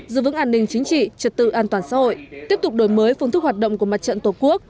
giữ vững an ninh chính trị trật tự an toàn xã hội tiếp tục đổi mới phương thức hoạt động của mặt trận tổ quốc